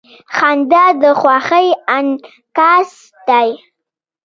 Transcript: • خندا د خوښۍ انعکاس دی.